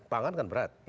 pangan kan berat